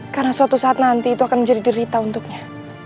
karena suatu saat nanti itu akan menjadi derita untuknya